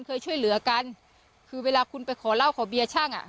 เคยช่วยเหลือกันคือเวลาคุณไปขอเหล้าขอเบียร์ช่างอ่ะ